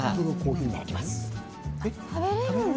いただきます。